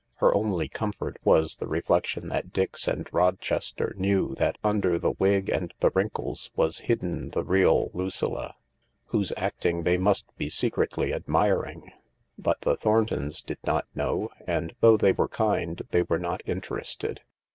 Her only comfort was the reflec tion that Dix and Rochester knew that under the wig and the wrinkles was hidden the real Lucilla, whose acting they must be secretly admiring. But the Thorntons did not know, and, though they were kind, they were not interested.